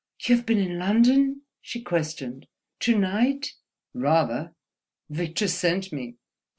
"You have been in London?" she questioned—"to night?" "Rather! Victor sent me."